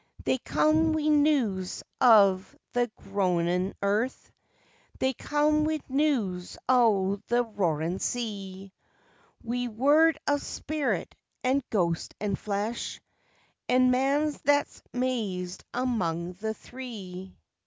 "They come wi' news of the groanin' earth, They come wi' news o' the roarin' sea, Wi' word of Spirit and Ghost and Flesh, And man that's mazed among the three."